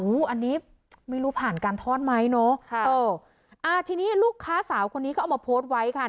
อันนี้ไม่รู้ผ่านการทอดไหมเนอะค่ะเอออ่าทีนี้ลูกค้าสาวคนนี้ก็เอามาโพสต์ไว้ค่ะ